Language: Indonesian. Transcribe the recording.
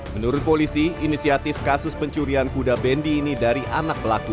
menurut polisi inisiatif kasus pencurian kuda bendi ini dari anak pelaku